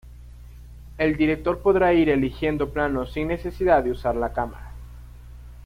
El director podrá ir eligiendo planos sin necesidad de usar la cámara.